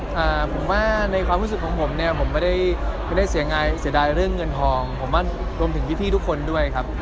ผมว่าในความรู้สึกของผมเนี่ยผมไม่ได้แสนแนะในเกี่ยวแบบเงินทองผมรอดูกันทั้งพี่ทุกคนด้วยครับ